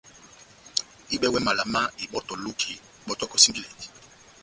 Ehɨbɛwɛ mala má ibɔ́tɔ loki, bɔ́tɔkɔ singileti.